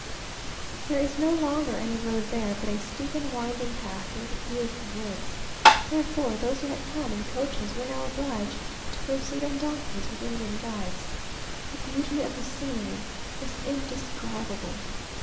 There is no longer any road there, but a steep and winding path through the beautiful woods. Therefore those who had come in coaches were now obliged to proceed on donkeys, with Indian guides. The beauty of the scenery is indescribable.